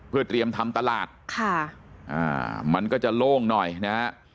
เพื่อเตรียมทำตลาดค่ะอ่ามันก็จะโล่งหน่อยนะฮะ